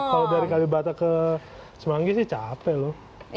kalau dari kalibata ke semanggi sih capek loh